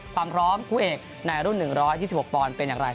ความพร้อมคู่เอกในรุ่น๑๒๖ปอนด์เป็นอย่างไร